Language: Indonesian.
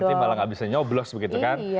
nanti malah gak bisa nyoblos begitu kan